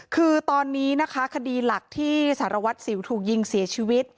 คือตอนนี้นะคะคดีหลักที่สารวัตรสิวถูกยิงเสียชีวิต